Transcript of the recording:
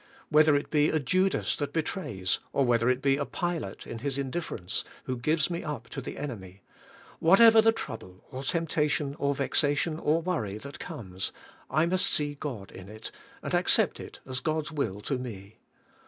Whether it be a Judas that betrays, or whether it be a Pilate in his in difference, who gives me up to the enemy; what ever the trouble, or temptation, or vexation, or worry, that comes, I must see God in it, and ac cept it as God's will to me.